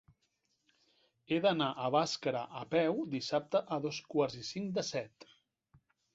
He d'anar a Bàscara a peu dissabte a dos quarts i cinc de set.